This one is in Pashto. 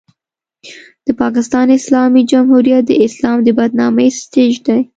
د پاکستان اسلامي جمهوریت د اسلام د بدنامۍ سټېج دی.